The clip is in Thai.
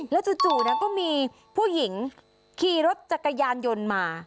แล้วจู่ก็มีผู้หญิงขี่รถจักรยานยนต์มา